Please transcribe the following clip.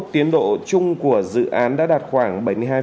tiến độ chung của dự án đã đạt khoảng bảy mươi hai bảy mươi chín